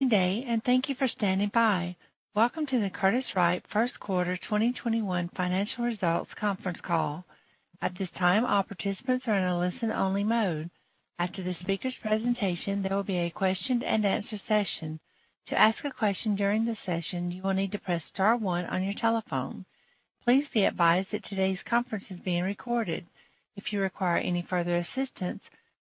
Good day, and thank you for standing by. Welcome to the Curtiss-Wright First Quarter 2021 Financial Results Conference Call. At this time, all participants are in a listen-only mode. After the speaker's presentation, there will be a question and answer session. To ask a question during the session, you will need to press star one on your telephone. Please be advised that today's conference is being recorded. If you require any further assistance,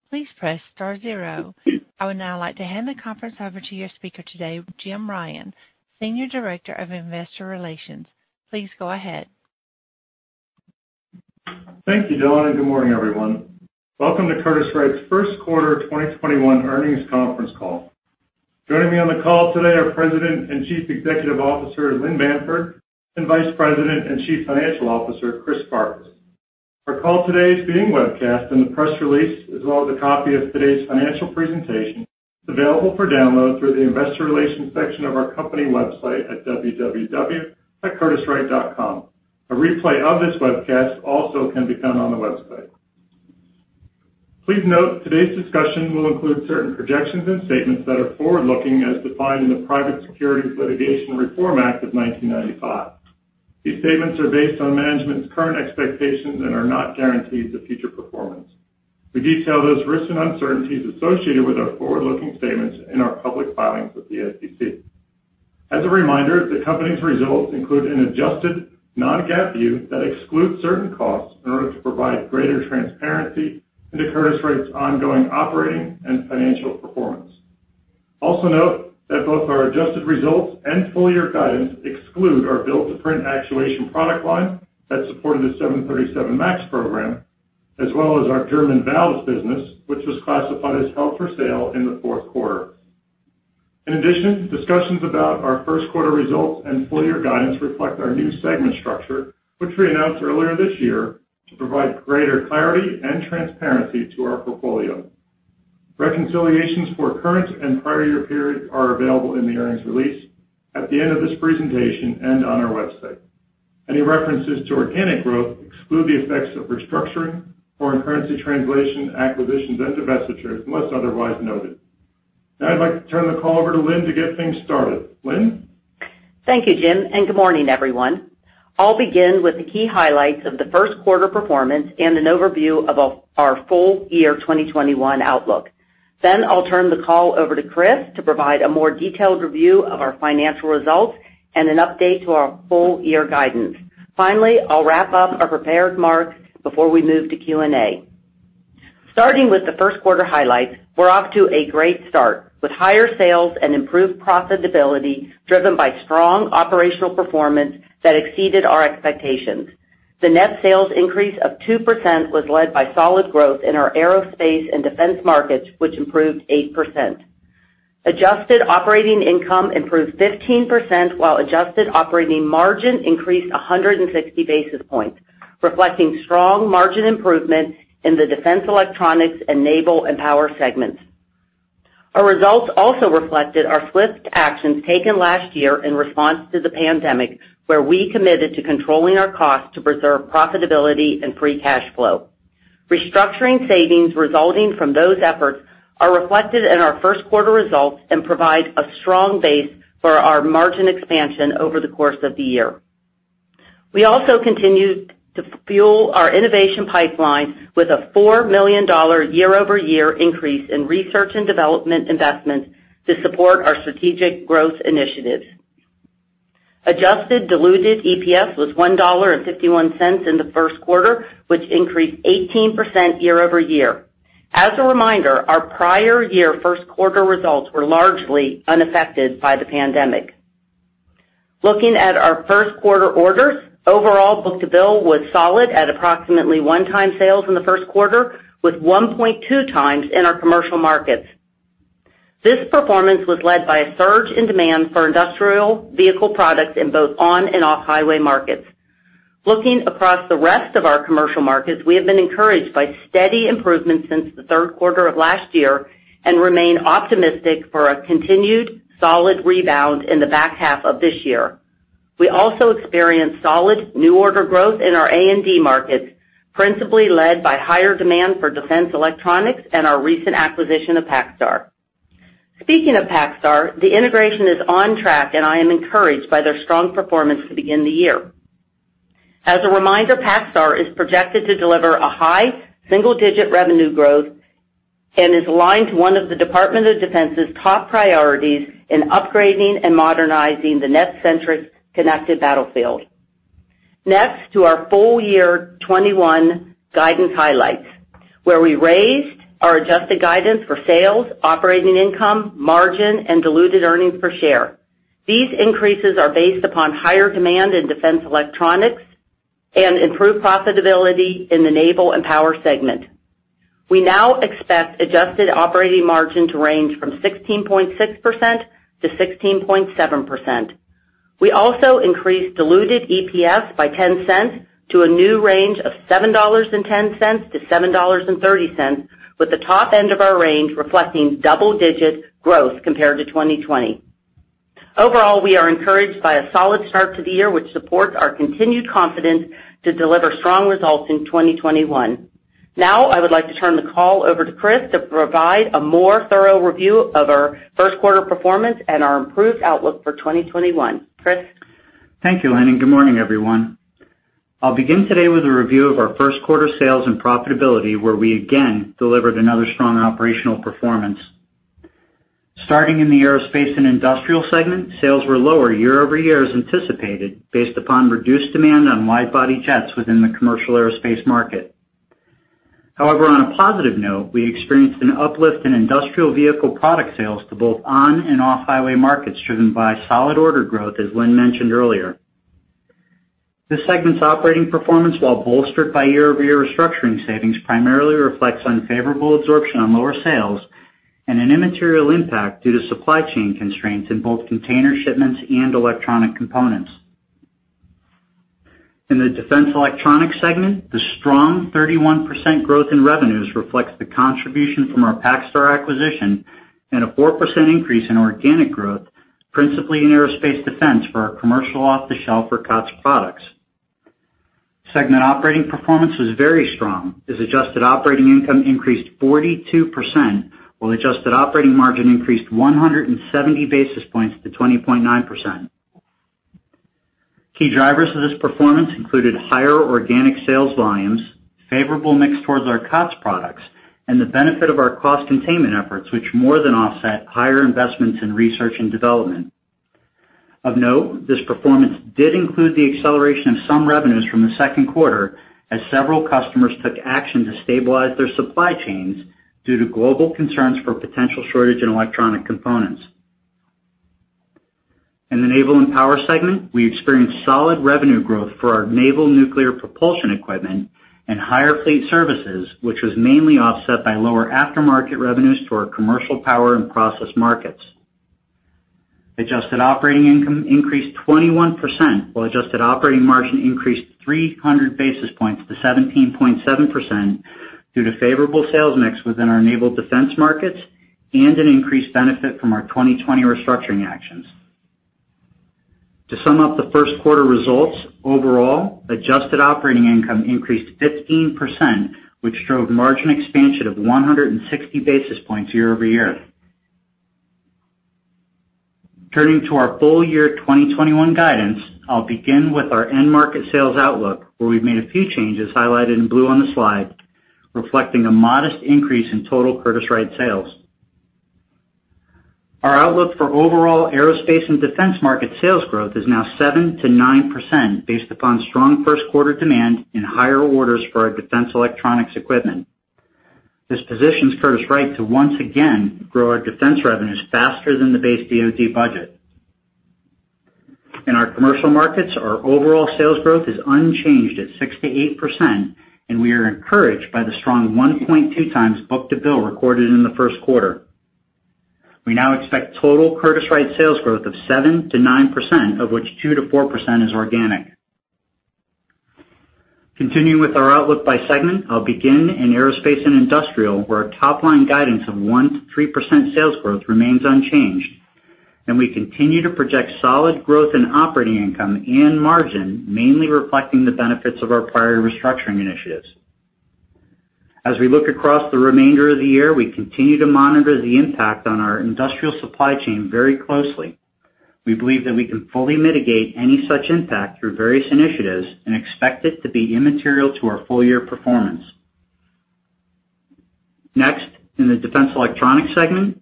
please press star zero. I would now like to hand the conference over to your speaker today, Jim Ryan, Senior Director of Investor Relations. Please go ahead. Thank you, Donna. Good morning, everyone. Welcome to Curtiss-Wright's first quarter 2021 earnings conference call. Joining me on the call today are President and Chief Executive Officer, Lynn Bamford, and Vice President and Chief Financial Officer, K. Christopher Farkas. Our call today is being webcast, the press release, as well as a copy of today's financial presentation, available for download through the investor relations section of our company website at www.curtisswright.com. A replay of this webcast also can be found on the website. Please note, today's discussion will include certain projections and statements that are forward-looking as defined in the Private Securities Litigation Reform Act of 1995. These statements are based on management's current expectations and are not guarantees of future performance. We detail those risks and uncertainties associated with our forward-looking statements in our public filings with the SEC. As a reminder, the company's results include an adjusted non-GAAP view that excludes certain costs in order to provide greater transparency into Curtiss-Wright's ongoing operating and financial performance. Also note that both our adjusted results and full-year guidance exclude our build-to-print actuation product line that supported the 737 MAX program, as well as our German valves business, which was classified as held for sale in the fourth quarter. In addition, discussions about our first quarter results and full-year guidance reflect our new segment structure, which we announced earlier this year to provide greater clarity and transparency to our portfolio. Reconciliations for current and prior year periods are available in the earnings release at the end of this presentation and on our website. Any references to organic growth exclude the effects of restructuring, foreign currency translation, acquisitions, and divestitures, unless otherwise noted. Now I'd like to turn the call over to Lynn to get things started. Lynn? Thank you, Jim, and good morning, everyone. I'll begin with the key highlights of the first quarter performance and an overview of our full year 2021 outlook. I'll turn the call over to Chris to provide a more detailed review of our financial results and an update to our full year guidance. I'll wrap up our prepared remarks before we move to Q&A. Starting with the first quarter highlights, we're off to a great start, with higher sales and improved profitability driven by strong operational performance that exceeded our expectations. The net sales increase of 2% was led by solid growth in our aerospace and defense markets, which improved 8%. Adjusted operating income improved 15%, while adjusted operating margin increased 160 basis points, reflecting strong margin improvement in the Defense Electronics, and Naval & Power segments. Our results also reflected our swift actions taken last year in response to the pandemic, where we committed to controlling our costs to preserve profitability and free cash flow. Restructuring savings resulting from those efforts are reflected in our first quarter results and provide a strong base for our margin expansion over the course of the year. We also continued to fuel our innovation pipeline with a $4 million year-over-year increase in research and development investments to support our strategic growth initiatives. Adjusted diluted EPS was $1.51 in the first quarter, which increased 18% year-over-year. As a reminder, our prior year first quarter results were largely unaffected by the pandemic. Looking at our first quarter orders, overall book-to-bill was solid at approximately one time sales in the first quarter, with 1.2 times in our commercial markets. This performance was led by a surge in demand for industrial vehicle products in both on and off-highway markets. Looking across the rest of our commercial markets, we have been encouraged by steady improvements since the third quarter of last year and remain optimistic for a continued solid rebound in the back half of this year. We also experienced solid new order growth in our A&D markets, principally led by higher demand for Defense Electronics and our recent acquisition of PacStar. Speaking of PacStar, the integration is on track, and I am encouraged by their strong performance to begin the year. As a reminder, PacStar is projected to deliver a high single-digit revenue growth and is aligned to one of the Department of Defense's top priorities in upgrading and modernizing the net-centric connected battlefield. Next to our full year 2021 guidance highlights, where we raised our adjusted guidance for sales, operating income, margin, and diluted earnings per share. These increases are based upon higher demand in Defense Electronics and improved profitability in the Naval & Power segment. We now expect adjusted operating margin to range from 16.6%-16.7%. We also increased diluted EPS by $0.10 to a new range of $7.10-$7.30, with the top end of our range reflecting double-digit growth compared to 2020. Overall, we are encouraged by a solid start to the year, which supports our continued confidence to deliver strong results in 2021. Now, I would like to turn the call over to Chris to provide a more thorough review of our first quarter performance and our improved outlook for 2021. Chris? Thank you, Lynn, and good morning, everyone. I'll begin today with a review of our first quarter sales and profitability, where we again delivered another strong operational performance. Starting in the Aerospace & Industrial segment, sales were lower year-over-year as anticipated, based upon reduced demand on wide body jets within the commercial aerospace market. However, on a positive note, we experienced an uplift in industrial vehicle product sales to both on and off highway markets, driven by solid order growth, as Lynn mentioned earlier. This segment's operating performance, while bolstered by year-over-year restructuring savings, primarily reflects unfavorable absorption on lower sales and an immaterial impact due to supply chain constraints in both container shipments and electronic components. In the Defense Electronics segment, the strong 31% growth in revenues reflects the contribution from our PacStar acquisition, a 4% increase in organic growth, principally in aerospace defense for our commercial off-the-shelf or COTS products. Segment operating performance was very strong, as adjusted operating income increased 42%, while adjusted operating margin increased 170 basis points to 20.9%. Key drivers of this performance included higher organic sales volumes, favorable mix towards our COTS products, the benefit of our cost containment efforts, which more than offset higher investments in research and development. Of note, this performance did include the acceleration of some revenues from the second quarter, as several customers took action to stabilize their supply chains due to global concerns for potential shortage in electronic components. In the Naval & Power segment, we experienced solid revenue growth for our naval nuclear propulsion equipment and higher fleet services, which was mainly offset by lower aftermarket revenues to our commercial power and process markets. Adjusted operating income increased 21%, while adjusted operating margin increased 300 basis points to 17.7% due to favorable sales mix within our naval defense markets and an increased benefit from our 2020 restructuring actions. To sum up the first quarter results, overall, adjusted operating income increased 15%, which drove margin expansion of 160 basis points year-over-year. Turning to our full year 2021 guidance, I'll begin with our end market sales outlook, where we've made a few changes highlighted in blue on the slide, reflecting a modest increase in total Curtiss-Wright sales. Our outlook for overall aerospace and defense market sales growth is now 7%-9%, based upon strong first quarter demand and higher orders for our Defense Electronics equipment. This positions Curtiss-Wright to once again grow our defense revenues faster than the base DoD budget. In our commercial markets, our overall sales growth is unchanged at 6%-8%, we are encouraged by the strong 1.2x book-to-bill recorded in the first quarter. We now expect total Curtiss-Wright sales growth of 7%-9%, of which 2%-4% is organic. Continuing with our outlook by segment, I'll begin in Aerospace & Industrial, where our top-line guidance of 1%-3% sales growth remains unchanged, we continue to project solid growth in operating income and margin, mainly reflecting the benefits of our prior restructuring initiatives. As we look across the remainder of the year, we continue to monitor the impact on our industrial supply chain very closely. We believe that we can fully mitigate any such impact through various initiatives and expect it to be immaterial to our full year performance. In the Defense Electronics segment,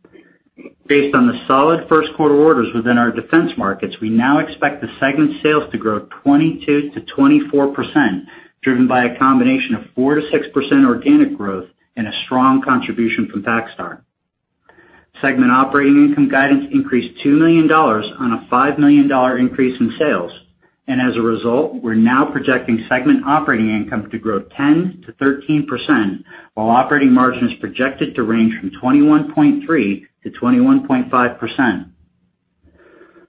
based on the solid first quarter orders within our defense markets, we now expect the segment sales to grow 22%-24%, driven by a combination of 4%-6% organic growth and a strong contribution from PacStar. Segment operating income guidance increased $2 million on a $5 million increase in sales, and as a result, we're now projecting segment operating income to grow 10%-13%, while operating margin is projected to range from 21.3%-21.5%.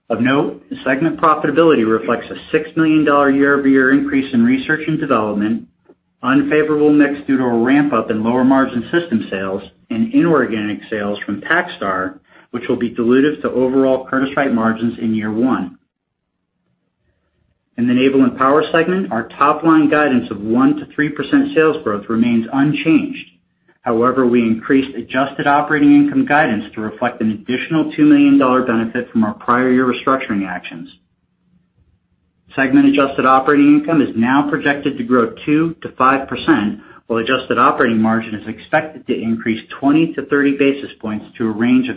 Of note, the segment profitability reflects a $6 million year-over-year increase in research and development, unfavorable mix due to a ramp up in lower margin system sales, and inorganic sales from PacStar, which will be dilutive to overall Curtiss-Wright margins in year one. In the Naval & Power segment, our top-line guidance of 1%-3% sales growth remains unchanged. We increased adjusted operating income guidance to reflect an additional $2 million benefit from our prior year restructuring actions. Segment adjusted operating income is now projected to grow 2%-5%, while adjusted operating margin is expected to increase 20-30 basis points to a range of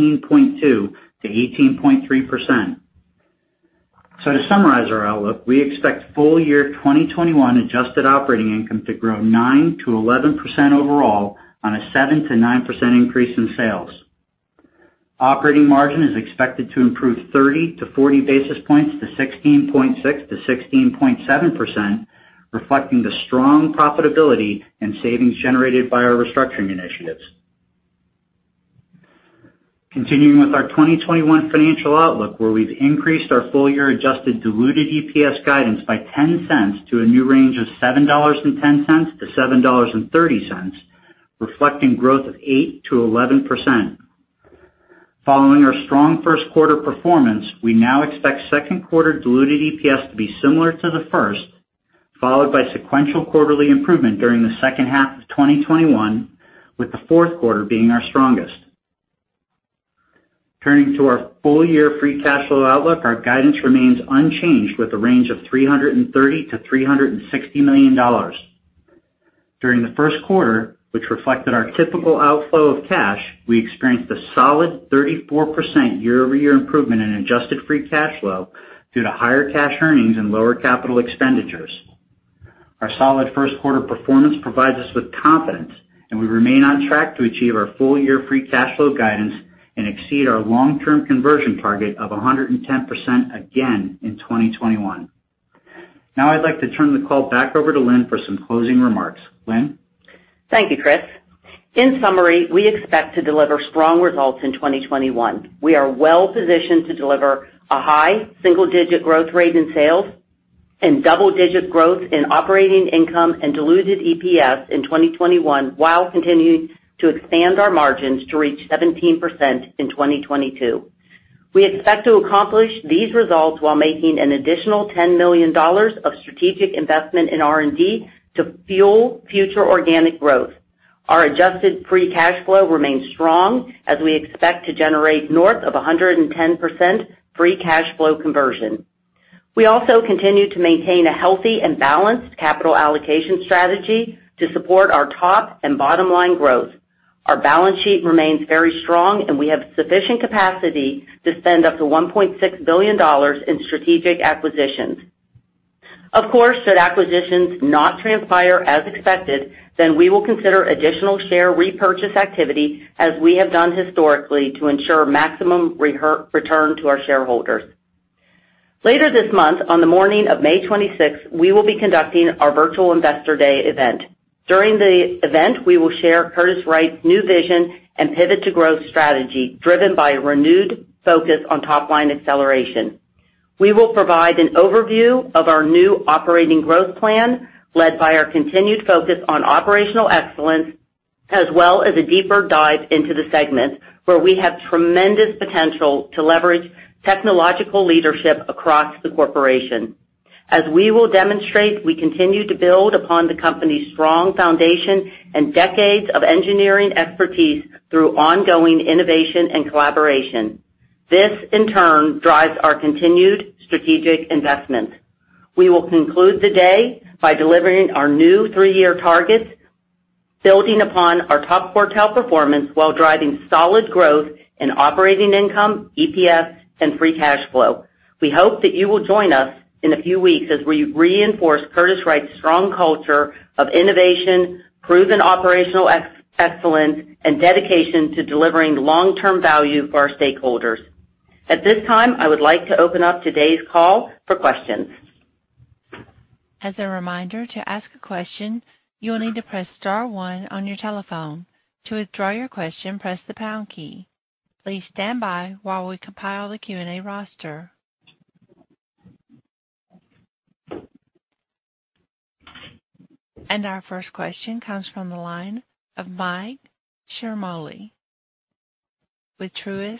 18.2%-18.3%. To summarize our outlook, we expect full year 2021 adjusted operating income to grow 9%-11% overall on a 7%-9% increase in sales. Operating margin is expected to improve 30-40 basis points to 16.6%-16.7%, reflecting the strong profitability and savings generated by our restructuring initiatives. Continuing with our 2021 financial outlook, where we've increased our full year adjusted diluted EPS guidance by $0.10 to a new range of $7.10-$7.30, reflecting growth of 8%-11%. Following our strong first quarter performance, we now expect second quarter diluted EPS to be similar to the first, followed by sequential quarterly improvement during the second half of 2021, with the fourth quarter being our strongest. Turning to our full year free cash flow outlook, our guidance remains unchanged with a range of $330 million-$360 million. During the first quarter, which reflected our typical outflow of cash, we experienced a solid 34% year-over-year improvement in adjusted free cash flow due to higher cash earnings and lower capital expenditures. Our solid first quarter performance provides us with confidence, and we remain on track to achieve our full year free cash flow guidance, and exceed our long-term conversion target of 110% again in 2021. Now I'd like to turn the call back over to Lynn for some closing remarks. Lynn? Thank you, Chris. In summary, we expect to deliver strong results in 2021. We are well-positioned to deliver a high single-digit growth rate in sales and double-digit growth in operating income and diluted EPS in 2021, while continuing to expand our margins to reach 17% in 2022. We expect to accomplish these results while making an additional $10 million of strategic investment in R&D to fuel future organic growth. Our adjusted free cash flow remains strong, as we expect to generate north of 110% free cash flow conversion. We also continue to maintain a healthy and balanced capital allocation strategy to support our top and bottom-line growth. Our balance sheet remains very strong, and we have sufficient capacity to spend up to $1.6 billion in strategic acquisitions. Of course, should acquisitions not transpire as expected, then we will consider additional share repurchase activity as we have done historically, to ensure maximum return to our shareholders. Later this month, on the morning of May 26th, we will be conducting our virtual Investor Day event. During the event, we will share Curtiss-Wright's new vision and pivot to growth strategy, driven by a renewed focus on top-line acceleration. We will provide an overview of our new operating growth plan, led by our continued focus on operational excellence, as well as a deeper dive into the segments, where we have tremendous potential to leverage technological leadership across the corporation. As we will demonstrate, we continue to build upon the company's strong foundation and decades of engineering expertise through ongoing innovation and collaboration. This, in turn, drives our continued strategic investment. We will conclude the day by delivering our new three-year targets, building upon our top quartile performance while driving solid growth in operating income, EPS, and free cash flow. We hope that you will join us in a few weeks as we reinforce Curtiss-Wright's strong culture of innovation, proven operational excellence, and dedication to delivering long-term value for our stakeholders. At this time, I would like to open up today's call for questions. As a reminder to ask a question, you will need to press star one on your telephone. To withdraw your question, press the pound key. Please stand by while we compile the Q and A roster. And our first question comes first question comes from the line of Michael Ciarmoli with Truist.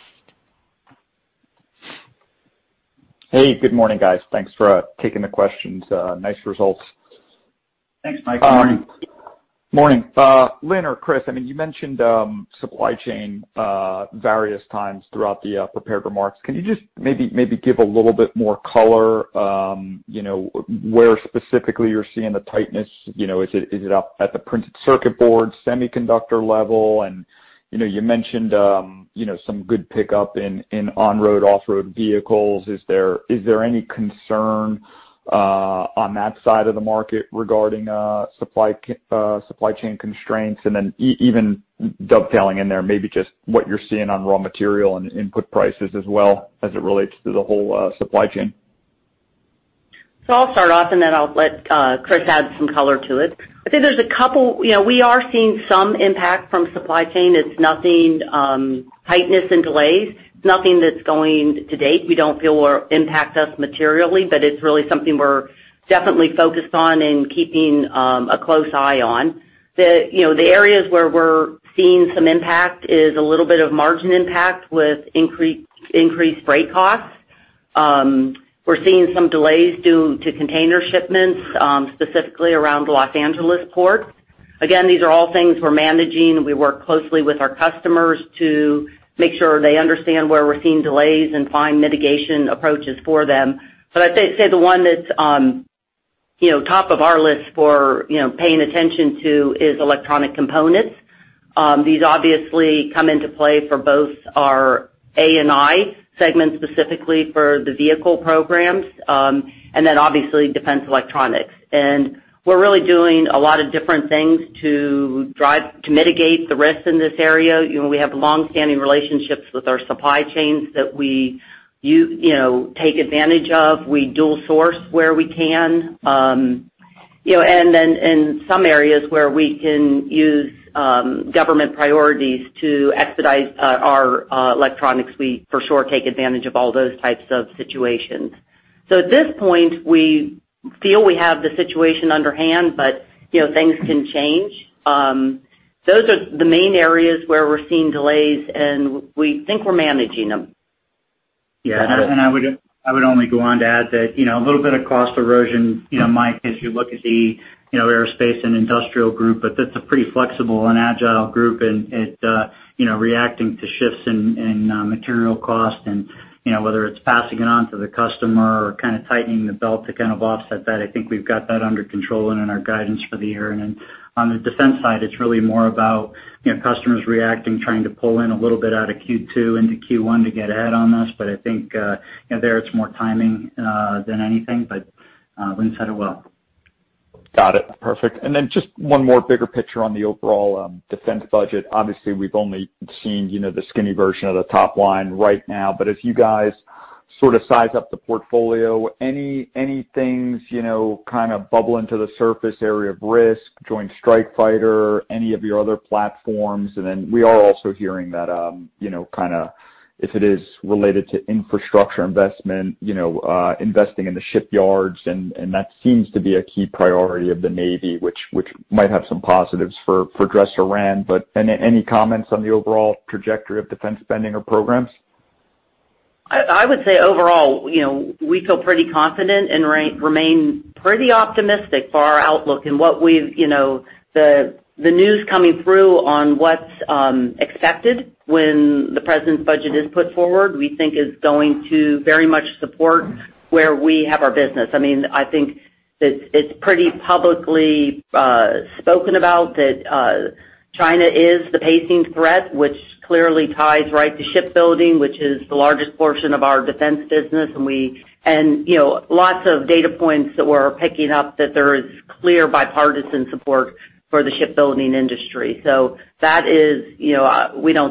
Hey, good morning, guys. Thanks for taking the questions. Nice results. Thanks, Mike. Good morning. Morning. Lynn or Chris, you mentioned supply chain various times throughout the prepared remarks. Can you just maybe give a little bit more color, where specifically you're seeing the tightness? Is it up at the printed circuit board, semiconductor level? You mentioned some good pickup in on-road, off-road vehicles. Is there any concern on that side of the market regarding supply chain constraints? Even dovetailing in there, maybe just what you're seeing on raw material and input prices as well, as it relates to the whole supply chain. I'll start off, and then I'll let Chris add some color to it. I think there's a couple. We are seeing some impact from supply chain tightness and delays. It's nothing that, to date, we don't feel will impact us materially. It's really something we're definitely focused on and keeping a close eye on. The areas where we're seeing some impact is a little bit of margin impact with increased freight costs. We're seeing some delays due to container shipments, specifically around the L.A. port. Again, these are all things we're managing. We work closely with our customers to make sure they understand where we're seeing delays and find mitigation approaches for them. I'd say the one that's top of our list for paying attention to is electronic components. These obviously come into play for both our A&I segment, specifically for the vehicle programs, obviously Defense Electronics. We're really doing a lot of different things to mitigate the risk in this area. We have longstanding relationships with our supply chains that we take advantage of. We dual source where we can. In some areas where we can use government priorities to expedite our electronics, we for sure take advantage of all those types of situations. At this point, we feel we have the situation under hand, but things can change. Those are the main areas where we're seeing delays, and we think we're managing them. Yeah. I would only go on to add that a little bit of cost erosion, Mike, if you look at the Aerospace & Industrial group, but that's a pretty flexible and agile group, and reacting to shifts in material cost and whether it's passing it on to the customer or kind of tightening the belt to kind of offset that, I think we've got that under control and in our guidance for the year. Then on the defense side, it's really more about customers reacting, trying to pull in a little bit out of Q2 into Q1 to get ahead on this. I think, there it's more timing, than anything, but Lynn said it well. Got it. Perfect. Just one more bigger picture on the overall defense budget. Obviously, we've only seen the skinny version of the top line right now. As you guys sort of size up the portfolio, any things kind of bubbling to the surface, area of risk, Joint Strike Fighter, any of your other platforms? We are also hearing that, kind of, if it is related to infrastructure investment, investing in the shipyards, and that seems to be a key priority of the Navy, which might have some positives for Dresser-Rand. Any comments on the overall trajectory of defense spending or programs? I would say overall, we feel pretty confident and remain pretty optimistic for our outlook and the news coming through on what's expected when the President's budget is put forward, we think is going to very much support where we have our business. I think it's pretty publicly spoken about that China is the pacing threat, which clearly ties right to shipbuilding, which is the largest portion of our defense business. Lots of data points that we're picking up that there is clear bipartisan support for the shipbuilding industry. We don't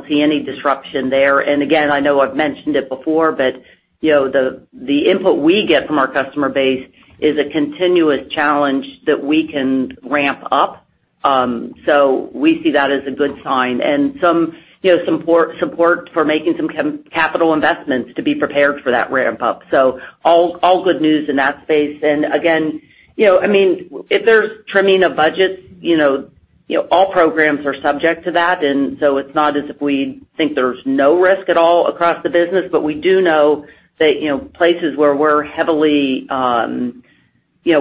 see any disruption there. Again, I know I've mentioned it before, but the input we get from our customer base is a continuous challenge that we can ramp up. We see that as a good sign and some support for making some capital investments to be prepared for that ramp up. All good news in that space. Again, if there's trimming of budgets, all programs are subject to that. It's not as if we think there's no risk at all across the business, but we do know that places where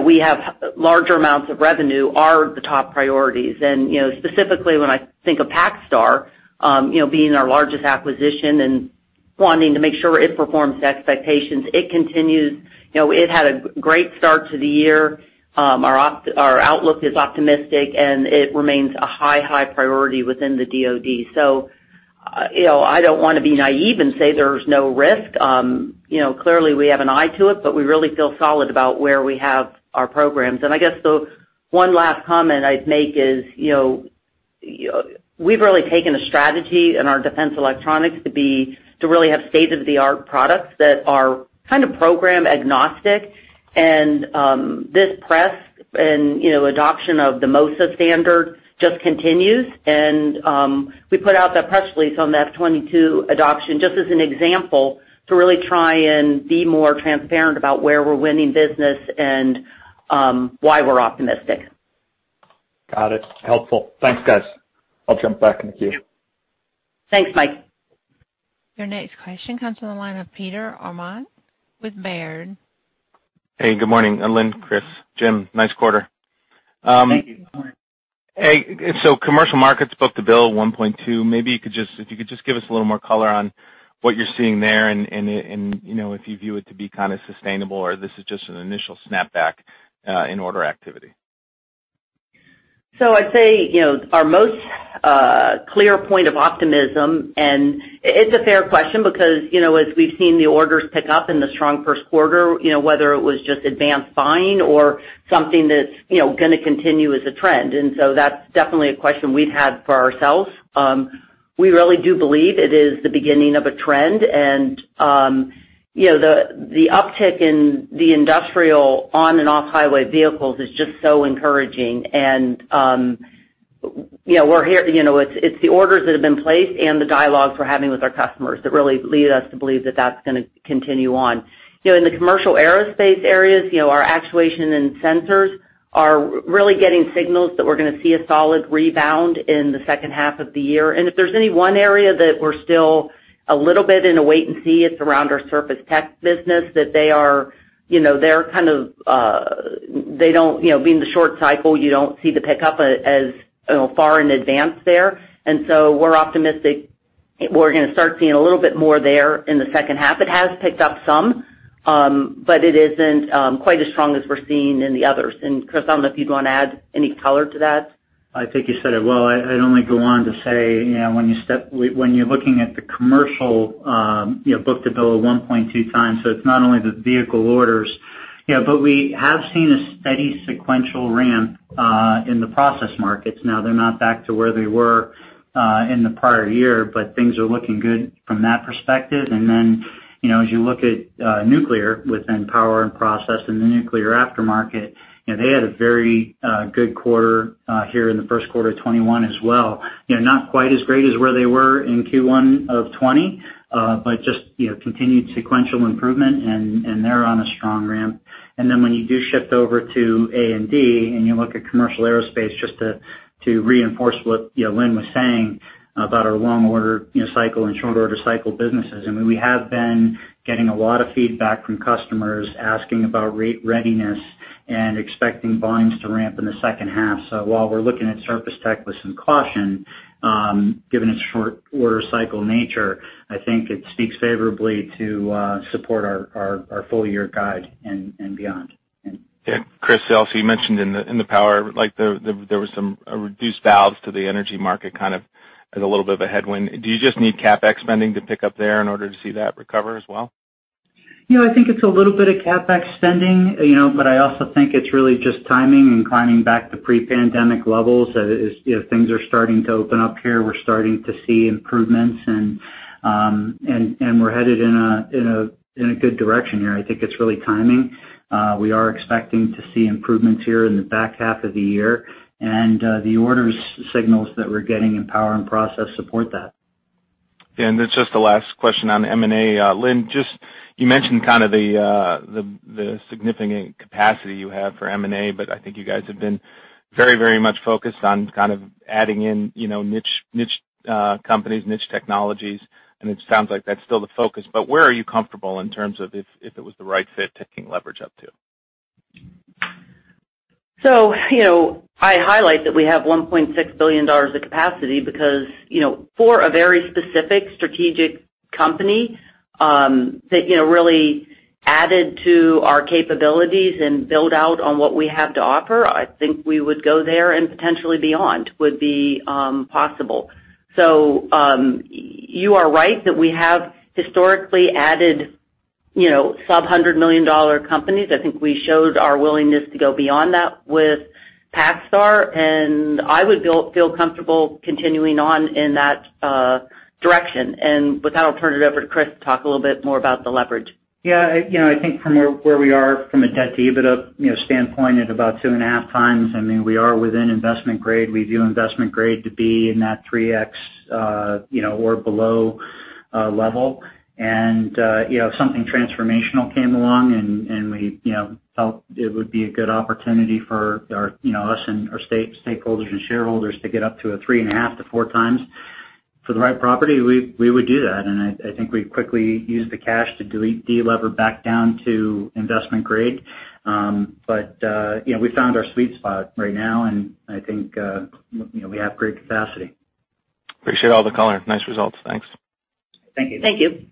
we have larger amounts of revenue are the top priorities. Specifically, when I think of PacStar, being our largest acquisition and wanting to make sure it performs to expectations, it had a great start to the year. Our outlook is optimistic, and it remains a high priority within the DoD. I don't want to be naive and say there's no risk. Clearly we have an eye to it, but we really feel solid about where we have our programs. I guess the one last comment I'd make is, we've really taken a strategy in our Defense Electronics to really have state-of-the-art products that are kind of program agnostic. This press and adoption of the MOSA standard just continues. We put out that press release on that 22 adoption, just as an example to really try and be more transparent about where we're winning business and why we're optimistic. Got it. Helpful. Thanks, guys. I'll jump back in the queue. Thanks, Mike. Your next question comes from the line of Peter Arment with Baird. Hey, good morning Lynn, Chris, Jim. Nice quarter. Thank you. Hey, commercial markets book-to-bill 1.2. Maybe if you could just give us a little more color on what you're seeing there and if you view it to be kind of sustainable or this is just an initial snapback in order activity? I'd say, our most clear point of optimism, and it's a fair question because, as we've seen the orders pick up in the strong first quarter, whether it was just advanced buying or something that's going to continue as a trend. That's definitely a question we've had for ourselves. We really do believe it is the beginning of a trend and the uptick in the industrial on and off highway vehicles is just so encouraging. It's the orders that have been placed and the dialogues we're having with our customers that really lead us to believe that that's going to continue on. In the commercial aerospace areas, our actuation and sensors are really getting signals that we're going to see a solid rebound in the second half of the year. If there's any one area that we're still a little bit in a wait and see, it's around our Surface Technologies business, being the short cycle, you don't see the pickup as far in advance there. We're optimistic we're going to start seeing a little bit more there in the second half. It has picked up some, but it isn't quite as strong as we're seeing in the others. Chris, I don't know if you'd want to add any color to that. I think you said it well. I'd only go on to say when you're looking at the commercial book-to-bill at 1.2 times, so it's not only the vehicle orders. We have seen a steady sequential ramp in the process markets. Now they're not back to where they were in the prior year, but things are looking good from that perspective. As you look at nuclear within power and process in the nuclear aftermarket, they had a very good quarter here in the first quarter of 2021 as well. Not quite as great as where they were in Q1 of 2020 but just continued sequential improvement, and they're on a strong ramp. When you do shift over to A&D and you look at commercial aerospace, just to reinforce what Lynn was saying about our long order cycle and short order cycle businesses, and we have been getting a lot of feedback from customers asking about rate readiness and expecting volumes to ramp in the second half. While we're looking at Surface Technologies with some caution, given its short order cycle nature, I think it speaks favorably to support our full-year guide and beyond. Yeah. Chris, you mentioned in the power, there was some reduced valves to the energy market, kind of as a little bit of a headwind. Do you just need CapEx spending to pick up there in order to see that recover as well? I think it's a little bit of CapEx spending. I also think it's really just timing and climbing back to pre-pandemic levels. As things are starting to open up here, we're starting to see improvements. We're headed in a good direction here. I think it's really timing. We are expecting to see improvements here in the back half of the year. The orders signals that we're getting in power and process support that. It's just the last question on M&A. Lynn, you mentioned kind of the significant capacity you have for M&A, but I think you guys have been very much focused on kind of adding in niche companies, niche technologies, and it sounds like that's still the focus. Where are you comfortable in terms of if it was the right fit, taking leverage up to? I highlight that we have $1.6 billion of capacity because, for a very specific strategic company, that really added to our capabilities and built out on what we have to offer, I think we would go there and potentially beyond would be possible. You are right that we have historically added sub-$100 million companies. I think we showed our willingness to go beyond that with PacStar, and I would feel comfortable continuing on in that direction. With that, I'll turn it over to Chris to talk a little bit more about the leverage. Yeah. I think from where we are from a debt EBITDA standpoint at about 2.5x, I mean, we are within investment grade. We view investment grade to be in that 3x or below level. If something transformational came along and we felt it would be a good opportunity for us and our stakeholders and shareholders to get up to a 3.5x-4x for the right property, we would do that. I think we'd quickly use the cash to deliver back down to investment grade. Yeah, we found our sweet spot right now, and I think we have great capacity. Appreciate all the color. Nice results. Thanks. Thank you. Thank you.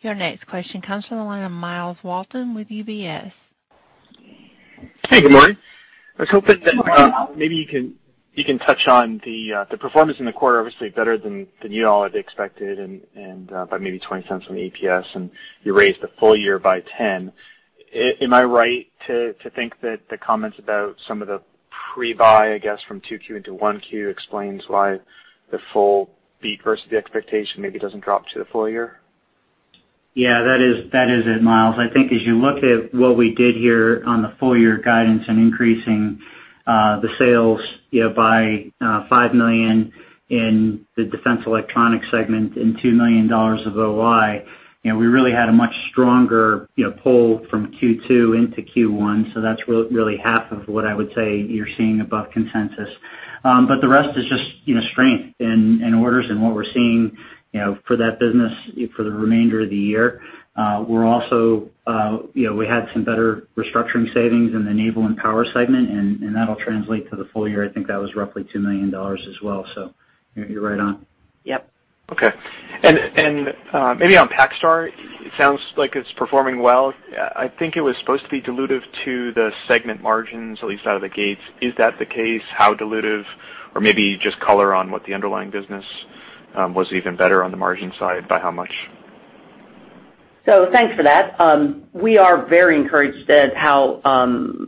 Your next question comes from the line of Myles Walton with UBS. Hey, good morning. I was hoping that maybe you can touch on the performance in the quarter, obviously better than you all had expected and by maybe $0.20 on the EPS. You raised the full year by $0.10. Am I right to think that the comments about some of the pre-buy, I guess, from Q2 into 1Q explains why the full beat versus the expectation maybe doesn't drop to the full year? Yeah, that is it, Myles. I think as you look at what we did here on the full year guidance and increasing the sales by $5 million in the Defense Electronics segment and $2 million of OI, we really had a much stronger pull from Q2 into Q1. That's really half of what I would say you're seeing above consensus. The rest is just strength in orders and what we're seeing for that business for the remainder of the year. We had some better restructuring savings in the Naval & Power segment, that'll translate to the full year. I think that was roughly $2 million as well. You're right on. Yep. Okay. Maybe on PacStar, it sounds like it's performing well. I think it was supposed to be dilutive to the segment margins at least out of the gates. Is that the case? How dilutive? Maybe just color on what the underlying business was even better on the margin side, by how much? Thanks for that. We are very encouraged at how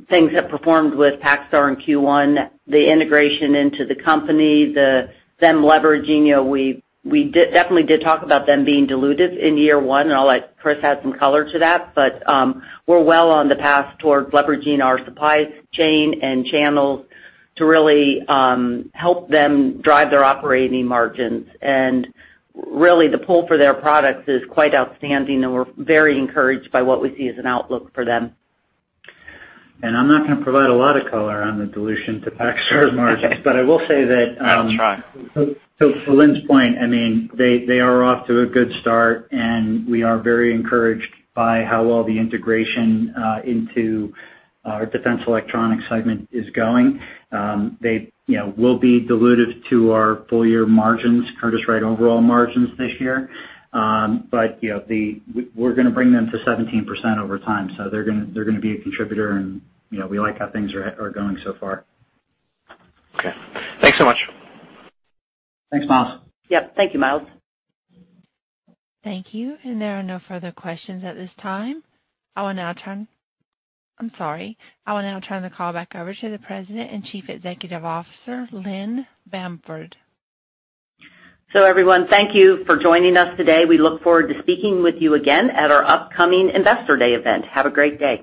things have performed with PacStar in Q1, the integration into the company, them leveraging. We definitely did talk about them being dilutive in year one, and I'll let Chris add some color to that. We're well on the path towards leveraging our supply chain and channels to really help them drive their operating margins. Really, the pull for their products is quite outstanding, and we're very encouraged by what we see as an outlook for them. I'm not going to provide a lot of color on the dilution to PacStar margins. Okay. I will say that. I'll try. To Lynn's point, I mean, they are off to a good start, and we are very encouraged by how well the integration into our Defense Electronics segment is going. They will be dilutive to our full year margins, Curtiss-Wright overall margins this year. We're going to bring them to 17% over time. They're going to be a contributor, and we like how things are going so far. Okay. Thanks so much. Thanks, Myles. Yep, thank you, Myles. Thank you. There are no further questions at this time. I will now turn the call back over to the President and Chief Executive Officer, Lynn Bamford. Everyone, thank you for joining us today. We look forward to speaking with you again at our upcoming Investor Day event. Have a great day.